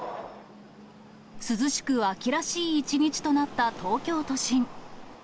涼しく、秋らしい一日となった東京都心。